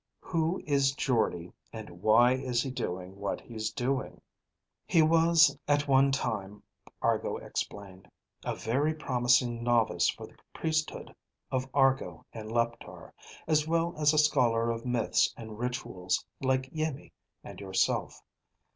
"Who is Jordde and why is he doing what he's doing?" "He was at one time," Argo explained, "a very promising novice for the priesthood of Argo in Leptar, as well as a scholar of myths and rituals like Iimmi and yourself.